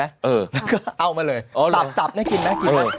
เอามาเลยตับน่ากินไหมกินไหม